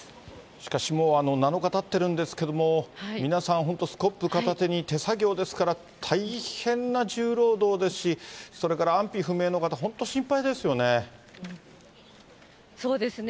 しかし、もう７日たってるんですけれども、皆さん、本当、スコップ片手に、手作業ですから大変な重労働ですし、それから安否不明の方、本当、心配ですよね。